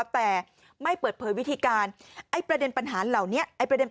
แต่ไม่เปิดเผยวิธีการประเด็นปัญหาเหล่านี้